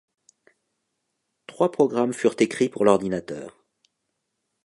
Trois programmes furent écrits pour l'ordinateur.